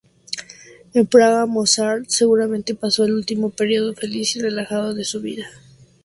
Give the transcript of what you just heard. En Praga, Mozart seguramente pasó el último período feliz y relajado de su vida.